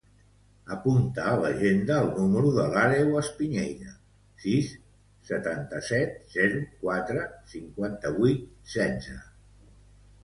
Apunta a l'agenda el número de l'Àreu Espiñeira: sis, setanta-set, zero, quatre, cinquanta-vuit, setze.